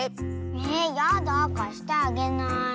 えやだかしてあげない。